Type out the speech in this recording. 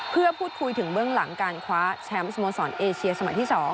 เพื่อพูดคุยถึงเบื้องหลังการคว้าแชมป์สโมสรเอเชียสมัยที่๒